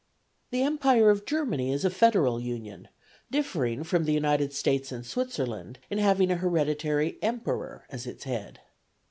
The Empire of Germany is a federal union, differing from the United States and Switzerland in having an hereditary emperor as its head.